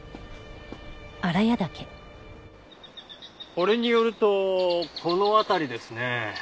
これによるとこの辺りですね。